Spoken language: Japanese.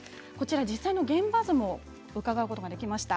実際の現場図も伺うことができました。